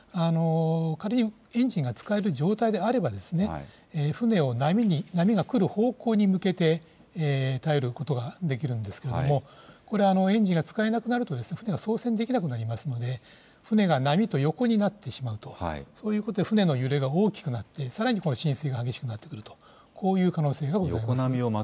仮にエンジンが使える状態であれば、船を波が来る方向に向けて耐えることができるんですけれども、エンジンが使えなくなると、船は操船できなくなりますので、船が波と横になってしまうと、そういうことで船の揺れが大きくなって、さらにこの浸水が激しくなってくると、こういう可能性がございま